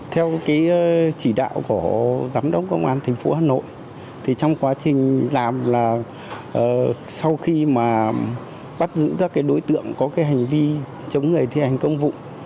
theo cái chỉ đạo của giám đốc công an thành phố hà nội thì trong quá trình làm là sau khi mà bắt giữ các đối tượng có cái hành vi chống người thi hành công vụ